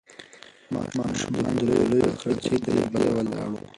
ماشومان د پولیو کراچۍ ته نږدې ولاړ وو.